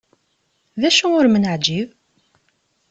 D acu ur am-neɛǧib?